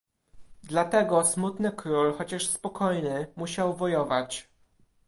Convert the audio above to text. "Dlatego smutny król, chociaż spokojny, musiał wojować."